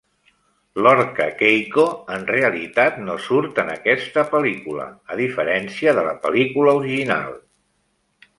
L'orca Keiko, en realitat, no surt en aquesta pel·lícula a diferència de la pel·lícula original.